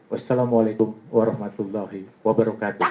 wassalamualaikum warahmatullahi wabarakatuh